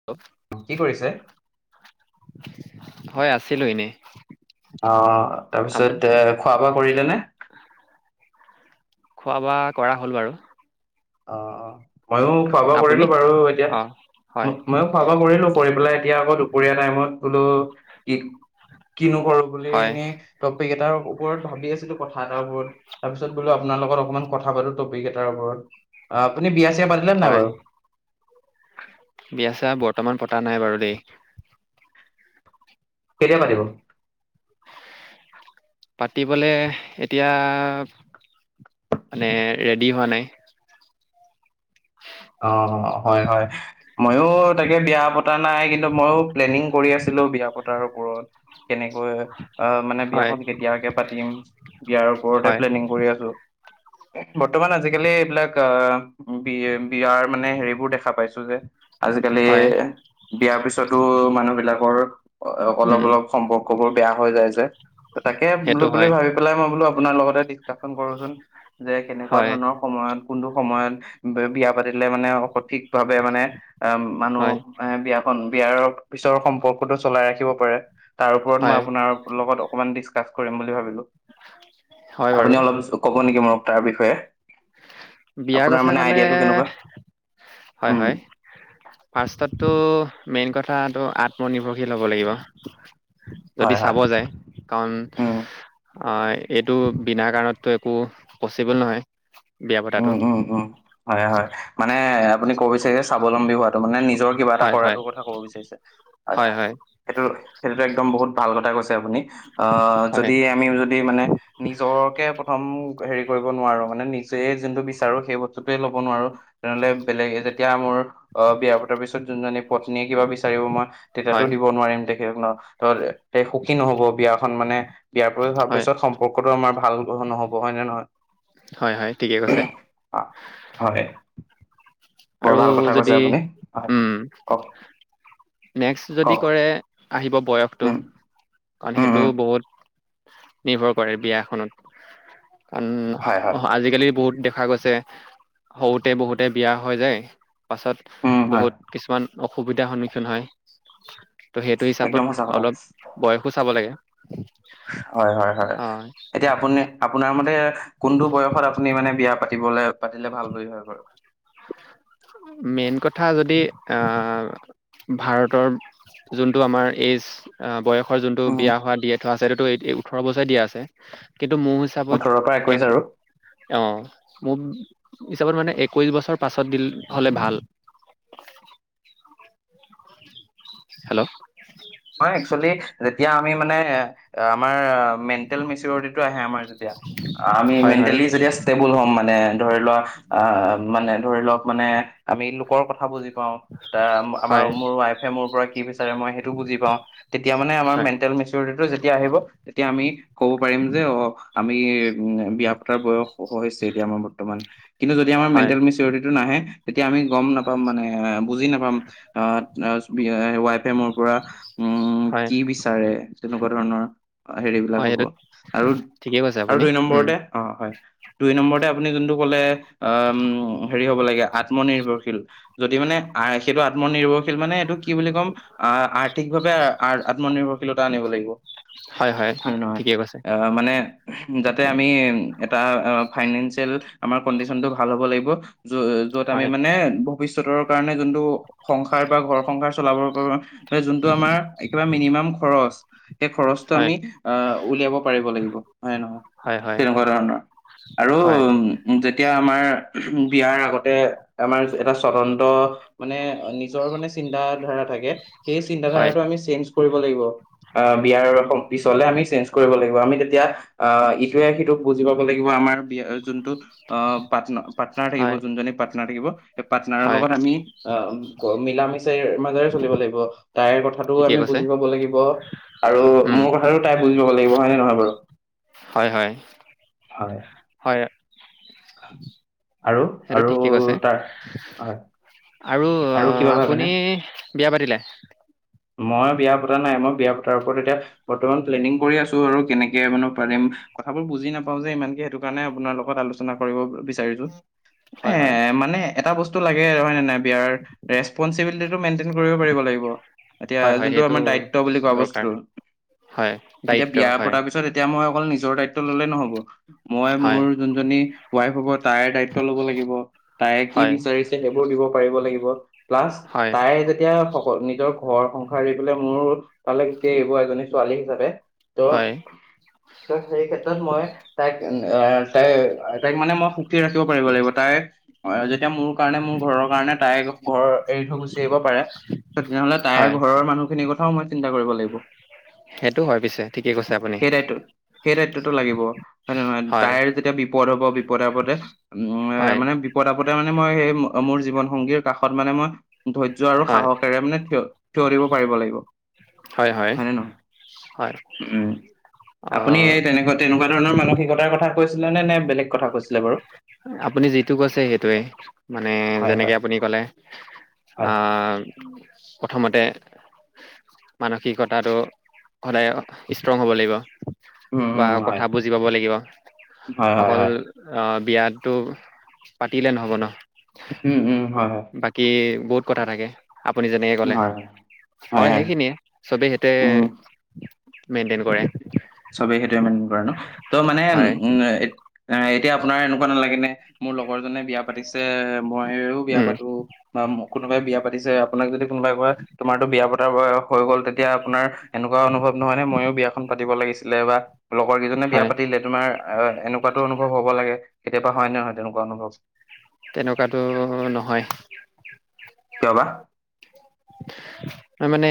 Hello! কি কৰিছে? হয়, আছিলোঁ এনেই। অঁ! আপুনি তাৰপিছতে খোৱা-বোৱা কৰিলে নে? খোৱা-বোৱা কৰা হ'ল বাৰু। অঁ-অঁ! ময়ো খোৱা-বোৱা আপুনি কৰিলোঁ বাৰু এতিয়া। অঁ হয় ম-ময়ো খোৱা-বোৱা কৰিলোঁ কৰি পেলাই এতিয়া আকৌ দুপৰীয়া টাইমত বোলো কি কিনো কৰোঁ বুলি হয় এনেই টপিক এটাৰ ওপৰত ভাবি আছিলোঁ কথা এটাৰ ওপৰত। তাৰপিছত বোলো আপোনাৰ লগত অকমান কথা পাতোঁ টপিক এটাৰ ওপৰত। আপুনি বিয়া-চিয়া পাতিলে নাই বাৰু? বিয়া-চিয়া বৰ্তমান পতা নাই বাৰু দেই। কেতিয়া পাতিব? পাতিবলে এতিয়া মানে ৰেডি হোৱা নাই। অঁ-অঁ! হয়-হয় ময়ো তাকে বিয়া পতা নাই কিন্তু ময়ো প্লেনিং কৰি আছিলোঁ বিয়া পতাৰ ওপৰত। কেনেকৈ অ! মানে হয় বিয়াখন কেতিয়াকে পাতিম, বিয়াৰ ওপৰতে হয় প্লেনিং কৰি আছোঁ। বৰ্তমান আজিকালি এইবিলাক আহ বি এ বিয়াৰ মানে হেৰিবোৰ দেখা পাইছোঁ যে আজিকালি হয় বিয়াৰ পিছতো মানুহ বিলাকৰ উম, অলপ-অলপ সম্পৰ্কবোৰ বেয়া হৈ যায় যে। ত তাকে বোলো সেইটো বুলি হয় ভাবি পেলাই মই বোলো আপোনাৰ লগতে ডিচকাশচন কৰোচোন যে কেনেকুৱা হয় ধৰণৰ সময়ত কোনটো সময়ত বিয়া পাতিলে মানে ভাৱে অ মানুহ হয় এ বিয়াখন বিয়াৰ পিছৰ সম্পৰ্কটো চলাই ৰাখিব পাৰে তাৰ ওপৰত মই হয় আপোনাৰ লগত অকমান ডিচকাছ কৰিম বুলি ভাবো হয় আপুনি বাৰু অ ক'ব নেকি মোক তাৰ বিষয়ে বিয়াৰ আপোনাৰ কথা মানে ক'লে আইডিয়াটো কেনেকুৱা হয় উম, হয় ফাৰ্ষ্টতো মেইন কথাটো আত্মনিৰ্ভৰশীল হ'ব লাগিব হয় যদি হয় চাব যায় কাৰণ উম এইটো বিনা কাৰণতটো একো পচিবল নহয় বিয়া উম পতাটো উম উম হয় হয় মানে আপুনি ক'ব বিচাৰিছে স্বাৱলম্বী হোৱাটো মানে নিজৰ কিবা এটা হয় হয় কৰাটোৰ কথা ক'ব বিচাৰিছে হয় হয় সেইটো সেইটোতো একদম বহুত ভাল কথা কৈছে আপুনি আহ হয় যদি আমিও যদি মানে নিজকে প্ৰথম হেৰি কৰিব নোৱাৰো মানে নিজ যোনটো বিচাৰো সেই বস্তুতয়ে ল'ব নোৱাৰো তেনেহ'লে বেলেগ তেতিয়া মোৰ অ বিয়া পতাৰ পিছত যোন জী পত্নীয়ে কিবা বিচাৰিব মই তেতিয়াতো হয় দিব নোৱাৰিম দে সুখী নহব বিয়াখন মানে বিয়াৰ হোৱাৰ হয় পিছত সম্পৰ্কটো আমাৰ ভাল নহ'ব হয় নে নহয় হয় হয় ঠিকে কৈছে অ হয় বৰ আৰু ভাল কথা কৈছে যদি আপুনি হয় উম কওক নেক্সট যদি কওক কৰে আহিব বয়সতটো উম কাৰণ উম সেইটো উম বহুত নিৰ্ভৰ কৰে বিয়াখনত কাৰণ হয় হয় অ আজিকালি বহুত দেখা গৈছে যে সৰুতে বহুতে বিয়া হৈ যায় পাছত উম হয় বহুত কিছুমান অসুবিধাৰ সন্মুখীন হয় ত' সেইটো একদম হিচাপত সঁচা কথা অলপ বয়সো চাব লাগে হয় হয় হয় এতিয়া আপুনি আপোনাৰ মতে কোনটো বয়সত আপুনি মানে বিয়া পাতিবলে পাতিলে ভাল হয় বাৰু [unintelligible] যদি আহ ভাৰতৰ যোনটো আমাৰ এইজ বয়স যোনটো উম বিয়া হোৱা বয়ক দিয়ে থোৱা আছেটো ওঠৰ বছৰে দিয়া আছে কিন্তু মোৰ হিচাপট ওঠৰৰ পৰা একৈশ এক আৰু অ মোক হিচাপত মানে একৈশ বছৰ পাছত দিলে হ'লে ভাল হেল্ল' হয় একচেলি যেতিয়া আমি মানে আমাৰ হয় হয় [unintelligible] বুল হ'ম মানে ধৰি লোৱা আ মানে ধৰি লওক মানে আমি লোকৰ কথা বুজি আমাৰ হয় মোৰ ৱাইফে মোৰ পৰা কি বিচাৰে মই সেইটো বুজি তেতিয়া মানে আমাৰ হয় মেণ্টেল মেচৰিটো যেতিয়া আহিব তেতিয়া আমি ক'ব পাৰিম যে অ আমি উম বিয়া পতাৰ বয়স হৈছে এতিয়া আমাৰ বৰ্তমান কিন্তু যদি আমাৰ হয় মেণ্টেল মেচিৰিটিটো নাহে তেতিয়া আমি গম নাপাম মানে বুজি নাপাম আহ তাৰ ৱাইফে মোৰ পৰা হয় কি বিচাৰে তেনেকুৱা ধৰণৰ হেৰিবলাক আৰু কি কৈছে আপুনি উম নম্বৰ অ হয় দুই নম্বৰ আপুনি যোনটো কলে উ হেৰি হ'ব লাগে আত্মনিৰ্ভৰশীল যদি মানে সেইটো আত্মনিৰ্ভৰশীল মানে এইটো কি বুলি ক'ম আৰ ভাৱে আত্মনিৰ্ভৰশীলতা আনিব লাগিব হয় নহয়।। অঁ মানে যাতে আমি এটা ফাইনেঞ্চিয়েল আমাৰ কডিচনটো ভাল হ'ব লাগিব। য য'ত আমি হয় মানে ভৱিষ্যতৰ কাৰণে যোনটো সংসাৰ বা ঘৰ সংসাৰ চলাবৰ বাবে যোনটো আমাৰ একেবাৰে মিনিমাম খৰচ। সেই খৰচটো হয় আমি আঁহ উলিয়াব পাৰিব লাগিব হয়ে নহয়। হয় হয় তেনেকুৱা ধৰণৰ, আৰু হয় যেতিয়া আমাৰ বিয়াৰ আগতে আমাৰ এটা স্বতন্ত্ৰ মানে নিজৰ মানে চিন্ত ধাৰা থাকে, সেই চিন্ত হয় ধাৰাটো আমি চেঞ্জ কৰিব লাগিব। অঁ বিয়াৰ পিছলে আমি চেঞ্জ কৰিব লাগিব, আমি তেতিয়া অঁ ইটোৱে সিটোক বুজি পাব লাগিব, আমাৰ বিয়া যোনটো অঁ পাটনা পাৰ্টনাৰ থাকিব হয় যোনজনী পাৰ্টনাৰ থাকিব সেই পাৰ্টনাৰৰ হয় লগত আমি অঁ মিলা মিচাৰ মাজেৰে চলিব লাগিব, তাইৰ কথাটো ঠিকেই আমি কৈছে বুজি পাব লাগিব। আৰু উম মোৰ কথাটো তাই বুজিব লাগিব হয় নে নহয় বাৰু। হয় হয়, হয়। হয় আৰু সেইটো আৰু ঠিকেই কৈছে তাৰ হয়। আৰু কিবা ভাবেনে আপুনি বিয়া পাতিলে? মই বিয়া পতা নাই, মই বিয়া পতাৰ ওপৰত এতিয়া বৰ্তমান প্লেনিং কৰি আছো আৰু, কেনেকে মানে পাৰিম কথাবোৰ বুজি নাপাও যে ইমানকে সেইটো কাৰণে আপোনাৰ লগত আলোচ চনাৰ কৰিব বিচাৰিছো। এ হয় হয় মানে এটা অবস্তু লাগেই হয় নাই বিয়াৰ ৰেচপনিবিলিটটো মেইনটেইন কৰিব পাৰিব লাগিব, এতিয়া হয় হয় যোনটো সেইটো আমাৰ দায়িত্ব বুলি কোৱা দৰকাৰ বস্তুটো। হয় এতিয়া দায়িত্ব বিয়া হয়। পতাৰ পিছত এতিয়া মই অকল নিজৰ দায়িত্ব ললে নহব। মই হয় মোৰ যোনজনী ৱাইফ হ'ব তাইৰ দায়িত্ব ল'ব লাগিব, তাই কি হয় বিচাৰিছে সেইবোৰ দিব পাৰিব লাগিব। প্লাছ হয় তাই যেতিয়া সকল নিজৰ ঘৰ সংসাৰ এৰি পেলাই মোৰ তালৈ গুছি আহিব এজনী ছোৱালী হিচাপে। ত' হয় ত সেই ক্ষেত্ৰত মই তাইক অঁ তাই তাইক মানে মই সুখী ৰাখিব পাৰিব লাগিব, তাই যেতিয়া মোৰ কাৰণে মোৰ ঘৰৰ কাৰণে তাই ঘৰ এৰি থৈ গুচি আহিব পাৰে। তেনেহ'লে তাইৰ হয় ঘৰৰ মানুহখিনি ক থা মই চিন্তা কৰিব লাগিব। সেইটো হয় পিছে, ঠিকে কৈছে আপুনি। সেই দায়িত্ব সেই দায়িত্বটো লাগিব, হয় নে নহয় হয় তাইৰ যেতিয়া বিপদ হব, বিপদ পদ আপদে উম হয় মানে বিপদ আপদেতে মানে মই সেই মোৰ জীৱন সংগীৰ কাষত মানে মই ধৈৰ্য্য আৰু হয় সাহসেৰে মানে থিয় থিয় দিব পাৰিব লাগিব, হয় নে নহয়। হয় উম, আপুনি আহ, এই তেনেকুৱা তেনেকুৱা ধৰণৰ মানসিকতাৰ কৈছিলে নে, নে বেলেগ কৈছিলে বাৰু? আপুনি যিটো কৈছে সেইটোৱে, মানে হয় যেনেকে হয় আপুনি ক'লে হয় অঁ, প্ৰথমতে মানসিকতাটো সদায় ষ্ট্ৰং হ'ব লাগিব। উম বা উম হয় কথা বুজি পাব লাগিব, হয় হয় অকল হয় অঁ, বিয়াটো পাতিলে নহ'ব ন। উম উম হয় হয়। বাকী বহুত কথা থাকে। আপুনি যেনেকে ক'লে হয় হয় সেইখিনিয়ে চবেই সেইটোৱে উম মেইনটেইন কৰে। চবেই সেইটোৱে মেইনটেইন কৰে ন ত' মানে হয় উম এ এ এতিয়া আপোনাৰ এনেকুৱা নালাগে নে মোৰ লগৰ জনে বিয়া পাতিছে। মইও বিয়া উম, পাতো বা কোনোবাই বিয়া পাতিছে আপোনাক যদি কোনোবাই কয় তোমাৰতো বিয়া পতা বয়স হৈ গ'ল তেতিয়া আপোনাৰ এনেকুৱা অনুভৱ নহয় নে ময়ো বিয়া খন পাতিব লাগিছিলে বা লগৰ কিজনে বিয়া হয় পাতিলে তোমাৰ এ এনেকুৱাতো অনুভৱ হ'ব লাগে কেতিয়াবা হয় নহয় তেনেকুৱা অনুভৱ। তেনেকুৱাটো নহয় কিয় বা। তাৰমানে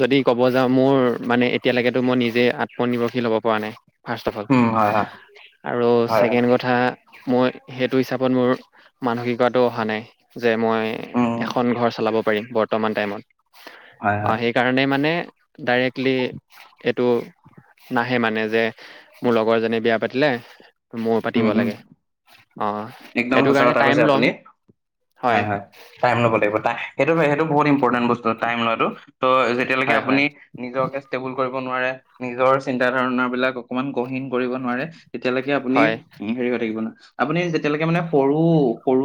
যদি ক'ব যাওঁ মোৰ মানে এতিয়ালৈকেতো মই নিজে আত্মনিৰ্ভৰশীল হব পৰা নাই। ফাৰ্ষ্ট অফ অল উম হয় হয় আৰু হয় হয় ছেকেণ্ড কথা মই সেইটো হিচাপত মোৰ মানসিকতাটো অহা নাই যে মই উম উম, এখন ঘৰ চলাব পাৰিম বৰ্তমান টাইমত হয় হয় আৰু সেই কাৰনে মানে ডাইৰেক্টলি এইটো নাহে মানে যে মোৰ লগৰজনী বিয়া পাতিলে মও পাতিব উম উম লাগে অ। একদম সেইটো সঁচা কাৰণে কথা টাইম কৈছে ল'ম আপুনি হয় হয় টাইম লব লাগিব টাই সেইটো সেইটো বহুত ইম্পৰ্টেণ্ট বস্তু টাইম লোৱাটো ত' যে এতিয়ালৈকে হয় হয় আপুনি নিজকে ষ্টেবুল কৰিব নোৱাৰে নিজৰ চিন্তা ধাৰণা বিলাক অকনমান গহীন কৰিব নোৱাৰে। তেতিয়ালৈকে আপুনি হয় হেৰি হৈ থাকিব নোৱাৰে আপুনি যে যেতিয়ালেকে মানে সৰু সৰু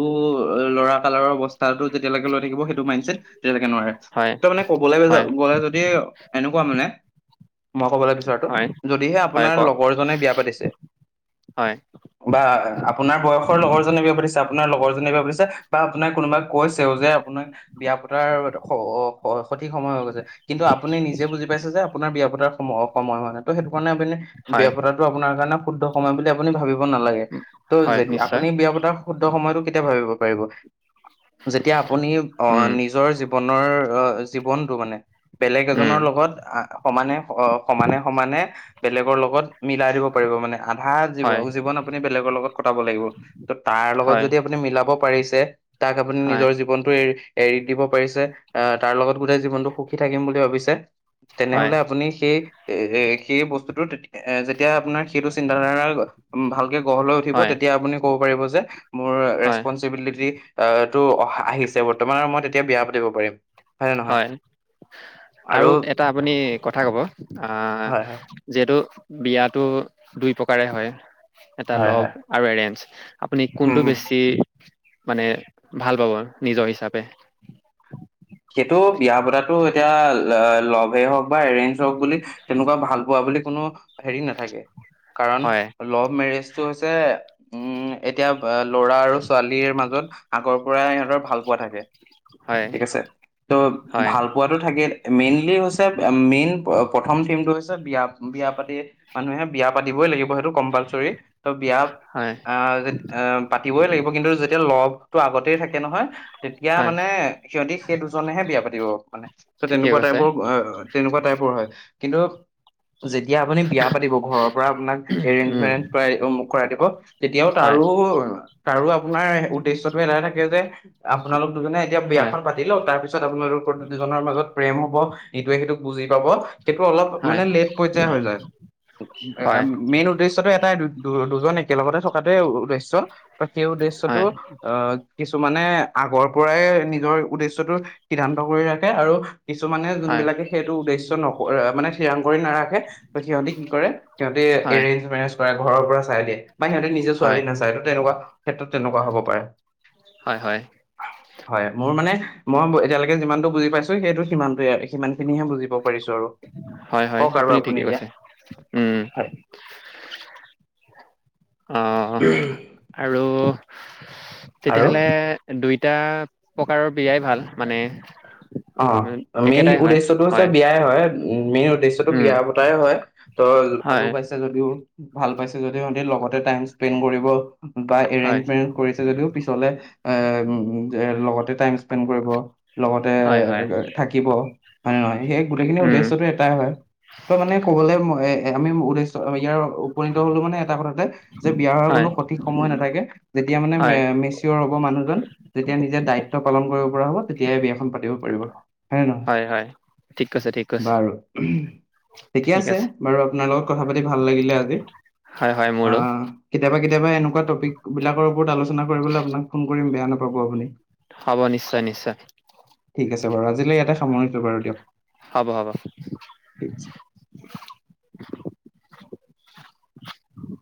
ল'ৰা কালাৰৰ অৱস্থাটো যেতিয়ালেকে লৈ থাকিব সেইটো মাইণ্ডছেট তেতিয়ালেকে নোৱাৰে হয় ত' মানে কবলে হয় গ গলে যদি এনেকুৱা মানে মই ক'বলে বিচৰাটো হয় যদিহে হয় আপোনাৰ কওক লগৰজনে বিয়া পাতিছে হয় বা আপোনাৰ বয়স লগৰজনে বিয়া পাতিছে আপোনাৰ লগৰজনে বিয়া পাতিছে বা আপোনাক কোনোবাই কৈছেও যে আপোনাৰ বিয়া পতাৰ স স সঠিক সময় হৈ গৈছে। কিন্তু আপুনি নিজে বুজি পাইছে যে আপোনাৰ বিয়া পতাৰ সময় অ সময় হোৱা নাই ত সেইটো কাৰণে আপুনি হয় বিয়া পতাটো আপোনাৰ কাৰণে শুদ্ধ সময় বুলি আপুনি ভাবিব নালাগে ত' হয় যে আপ নিশ্চয় বিয়া পতাৰ শুদ্ধ সময়টো কেতিয়া ভাৱিব পাৰিব যেতিয়া আপুনি অ উম নিজৰ জীৱ ৱনৰ জীৱনটো মানে বেলেগ উম এজনৰ লগত আ সমানে অ সমানে সমানে বেলেগৰ লগত মিলাই দিব পাৰিব মানে। আধা জীৱ হয়, জীৱন আপুনি বেলেগৰ লগত কটাব লাগিব। ত' তাৰ লগত হয়, যদি আপুনি মিলাব পাৰিছে তাক আপুনি হয়, নিজৰ জীৱনটো এৰি এৰি দিব পাৰিছে আহ তাৰ লগত গোটেই জীৱনটো সুখী থাকিম বুলি ভাবিছে হয়, তেনেহলে আপুনি সেই এ এ সেই বস্তুটো তে যে যেতিয়া আপোনাৰ সেইটো চিন্তা ধাৰা ভালকে গঢ় লৈ উঠিব হয়, তেতিয়া আপুনি কব পাৰিব যে মোৰ হয়, ৰেচপনচিবিলিটি এটো অহ আহিছে বৰ্তমান মই তেতিয়া বিয়া পাতিব পাৰিম। নে নহয় হয় আৰু এটা আপুনি কথা কব আহ হয় হয় যিহেতু বিয়াটো দুই প্ৰকাৰে হয়। এটা হয় লভ হয় আৰু এৰেঞ্জ আপুনি হম কোনটো হম বেছি মানে ভাল পাব নিজৰ হিচাপে সেইটো বিয়া পতাটো এতিয়া, ল লভেই হওঁক বা এৰেঞ্জ হওক বুলি, তেনেকুৱা ভাল পোৱা বুলি, কোনো হেৰি নাথাকে। কাৰণ, হয়, লভ মেৰেজটো হৈছে, উম, এতিয়া ল'ৰা আৰু ছোৱালীৰ মাজত আগৰ পৰা সিহঁতৰ ভাল পোৱা থাকে। হয়। ঠিক আছে। ত' হয়, ভাল পোৱাটো থাকে। মেইনলি হৈছে, মেইন প্ৰথম থিমটো হৈছে বিয়া বিয়া পাতি। মানুহে বিয়া পাতিবই লাগিব সেইটো কম্পালচৰি, ত বিয়া হয়, আহ য এ পাতিবই লাগিব। কিন্তু যেতিয়া লভ টো আগতেই থাকে নহয়। তেতিয়া হয়, মানে সিহঁতি, সেই দুজনেহে বিয়া পাতিব মানে, ত ঠিকে তেনেকুৱা কৈছে। টাইপৰ তেনেকুৱা টাইপৰ হয়। কিন্তু যেতিয়া আপুনি বিয়া পাতিব ঘৰৰ পৰা আপোনাক এৰেঞ্জ উম, মেৰেঞ্জ কৰাই অমুক কৰাই দিব। তেতিয়াও হয়, তাৰো, তাৰো আপোনাৰ উদ্দেশ্যতো এটাই থাকে যে, আপোনালোক দুজনে এতিয়া হয়, বিয়াখন পাতি লওক, তাৰ পিছত আপোনালোকৰ দুজনৰ মাজত প্ৰেম হব ইটোৱে সিটোক বুজি পাব। সেইটো অলপ হয়, মানে লেট পৰ্যায়ৰ হৈ যায়। হয়, মেইন উদ্দেশ্যটো এটাই, দুজন একেলগতে থকাটোৱে উদ্দেশ্য। ত সেই উদ্দেশ্যটো, হয়, আহ, কিছুমানে আগৰ পৰাই নিজৰ উদ্দেশ্যটো সিদ্ধান্ত কৰি ৰাখে। আৰু কিছুমানে হয়, যোনবিলাকে সেইটো উদ্দেশ্য নক মানে থিৰাং কৰি নাৰাখে, ত সিহঁতে কি কৰে সিহঁতে হয়, হয়, এৰেঞ্জ মেৰেজ কৰে। ঘৰৰ পৰা চাই দিয়ে বা সিহঁতে নি -জে হয়, ছোৱালী নাচায়। ত তেনেকুৱা ক্ষেত্ৰত তেনেকুৱা হ'ব পাৰে। হয়, হয়। মোৰ মানে, মই এতিয়ালৈকে যিমানটো বুজি পাইছো, সেইটো সিমানটোৱে সিমান খিনিহে বুজিব পাৰিছো আৰু। হয় হয়। কওক আৰু আপুনি ঠিকে এতিয়া কৈছে উম। হয় অঁহ আৰু আৰু তেতিয়াহ'লে, দুইটা প্ৰকাৰৰ বিয়াই ভাল মানে। অহ। উম মেইন একেটাই হয় উদ্দেশ্যটো হৈছে, হয় বিয়াই হয় উ মেইন উদ্দেশ্যটো উম বিয়া পতাই হয়। ত ভালো হয় পাইছে। যদিও ভাল পাইছে, যদি সিহতে লগতে টাইম স্পেন্ড কৰিব বা হয় এৰেঞ্জমেৰিজ কৰিছে যদিও পিছলে, এ লগতে টাইম স্পেন্ড কৰিব। লগতে হয় হয় থাকিব হয়নে নহয়। সেই গোটেইখিনি উম উদ্দেশ্যটো, একেতাই হয় ত মানে ক'বলৈ আমি উদ্দেশ্য ইয়াৰ উপনীত হলো মানে এটা কথাতে, যে বিয়া হোৱাৰ হয় কোনো সঠিক সময় নাথাকে। যেতিয়া মানে হয় মেচ- -অৰ হ'ব মানুহজন যেতিয়া নিজে দায়িত্ব পালন কৰিব পৰা হ'ব, তেতিয়াই বিয়াখন পাতিব পাৰিব। হয়নে নহয়? হয় হয়। ঠিক কৈছে ঠিক। কৈছে বাৰু। ঠিকে আছে বাৰু আপোনাৰ লগত কথা পাতি ভাল লাগিলে আজি। হয় হয় মোৰো। আহ কেতিয়াবা কেতিয়াবা এনেকুৱা টপিক বিলাকৰ ওপৰত আলোচনা কৰিবলৈ আপোনাক ফোন কৰিম বেয়া নাপাব আপুনি। হ'ব, নিশ্চয় নিশ্চয়। ঠিক আছে বাৰু, আজিলৈ ইয়াতে সামৰিছো বাৰু দিয়ক। হ'ব হ'ব। ঠিক আছে।